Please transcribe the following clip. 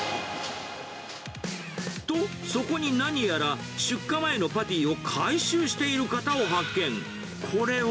と、そこに何やら出荷前のパティを回収している方を発見。